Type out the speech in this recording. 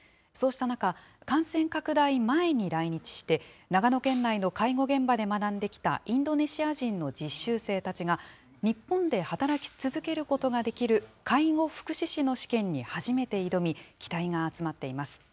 そうした中、感染拡大前に来日して、長野県内の介護現場で学んできたインドネシア人の実習生たちが、日本で働き続けることができる、介護福祉士の試験に初めて挑み、期待が集まっています。